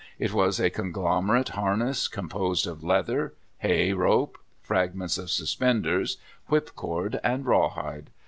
It was a conglomerate harness, composed of leather, hay rope, fragments of suspenders, whip cord, and rawhide.